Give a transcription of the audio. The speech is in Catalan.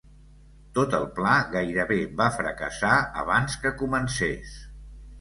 Tot el pla gairebé va fracassar abans que comencés.